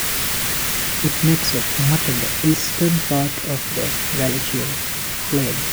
It makes up much of the eastern part of the Wallachian Plain.